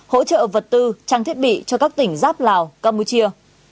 hỗ trợ vật tư trang thiết bị cho các tỉnh giáp lào campuchia